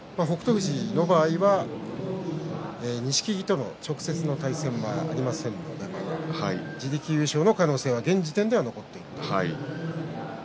富士の場合は錦木との直接対戦がありませんので自力優勝の可能性が現時点では残っています。